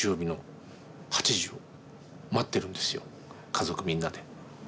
家族みんなで。